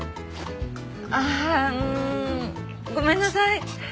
ああうーんごめんなさい。